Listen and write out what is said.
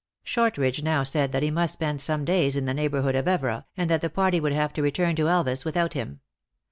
Shortridge now said that he must spend some days in the neighborhood of Evora, and that the party would have to return to Elvas without him.